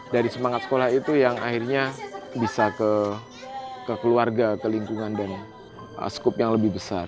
dari semangat sekolah itu yang akhirnya bisa ke keluarga ke lingkungan dan skup yang lebih besar